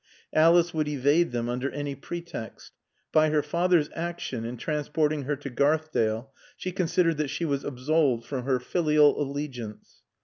Alice would evade them under any pretext. By her father's action in transporting her to Gardale, she considered that she was absolved from her filial allegiance.